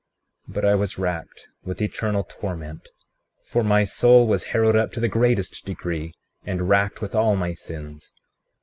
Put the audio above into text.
36:12 But I was racked with eternal torment, for my soul was harrowed up to the greatest degree and racked with all my sins.